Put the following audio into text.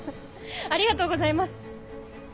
ありがとうございます！